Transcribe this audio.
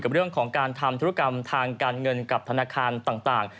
เรื่องของการทำธุรกรรมทางการเงินกับธนาคารต่าง